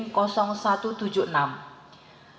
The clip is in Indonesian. teridentifikasi sebagai antemortem nomor satu ratus tujuh puluh enam